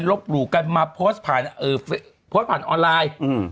ลบหลู่กันมาโพสต์ผ่านออนไลน์